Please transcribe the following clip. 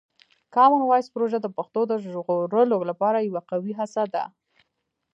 کامن وایس پروژه د پښتو د ژغورلو لپاره یوه قوي هڅه ده.